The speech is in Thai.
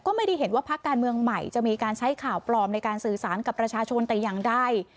ก็ไม่ได้เห็นว่าพักการเมืองใหม่จะมีการใช้ข่าวปลอมในการสื่อสารกับประชาชนแต่อย่างใด